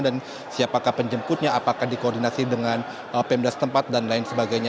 dan siapakah penjemputnya apakah dikoordinasi dengan pemda setempat dan lain sebagainya